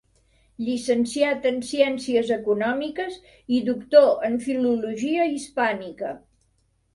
Llicenciat en Ciències Econòmiques i doctor en Filologia Hispànica.